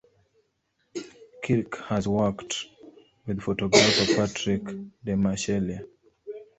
Kirk has worked with photographer Patrick Demarchelier.